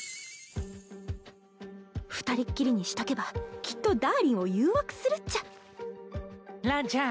二人っきりにしとけばきっとダーリンを誘惑するっちゃランちゃん。